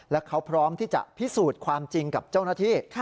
และเขาพร้อมที่จะพิสูจน์ความจริงกับเจ้าหน้าที่